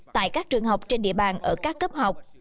tại các trường học trên địa bàn ở các cấp học